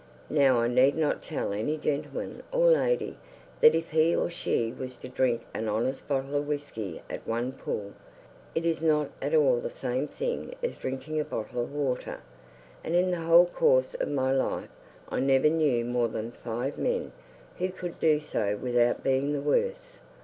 Now I need not tell any gentleman or lady that if he or she was to drink an honest bottle of whisky at one pull, it is not at all the same thing as drinking a bottle of water; and in the whole course of my life I never knew more than five men who could do so without being the worse.